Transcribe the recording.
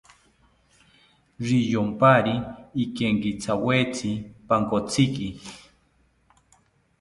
Riyompari ikenkithawetzi pankotziki